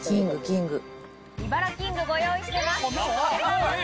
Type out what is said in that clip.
イバラキングご用意してます。